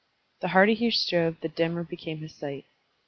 The harder he strove the dimmer became his sight.